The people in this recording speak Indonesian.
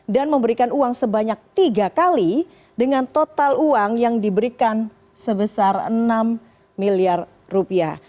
dan memberikan uang sebanyak tiga kali dengan total uang yang diberikan sebesar enam miliar rupiah